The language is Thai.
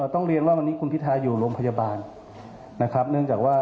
ต้องเรียนว่าวันนี้คุณพิทาอยู่โรงพยาบาลนะครับเนื่องจากว่า